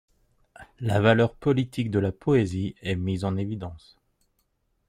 La valeur politique de la poésie est mise en évidence.